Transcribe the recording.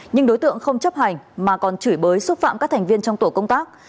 nhưng đối tượng không chấp hành mà còn chửi bới xúc phạm các thành viên trong tổ công tác